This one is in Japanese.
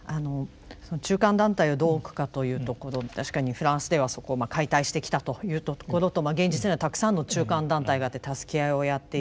中間団体をどう置くかというところ確かにフランスではそこを解体してきたというところと現実にはたくさんの中間団体があって助け合いをやっている。